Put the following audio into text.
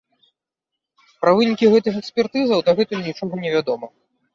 Пра вынікі гэтых экспертызаў дагэтуль нічога не вядома.